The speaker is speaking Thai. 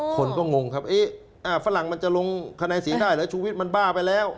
คนก็งงครับฝรั่งมันจะลงคะแนนเสียงได้เหรอชูวิทย์มันบ้าไปแล้ว